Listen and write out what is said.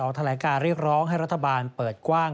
ออกทะเลการ์เรียกร้องให้รัฐบาลเปิดกว้าง